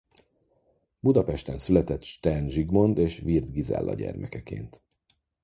Budapesten született Stern Zsigmond és Wirth Gizella gyermekeként.